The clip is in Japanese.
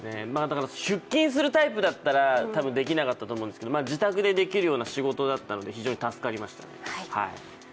出勤するタイプだったらできなかったと思うんですけど自宅でできるような仕事だったので、非常に助かりました。